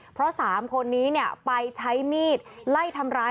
เพราะ๓คนนี้ไปใช้มีดไล่ทำร้าย